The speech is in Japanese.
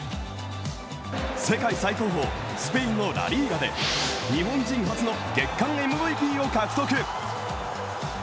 世界最高峰スペインのラ・リーガで日本人初の月間ＭＶＰを獲得。